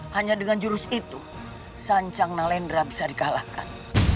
hanya dengan jurus itu sanjang nelendra bisa dikalahkan